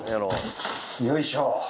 よいしょ。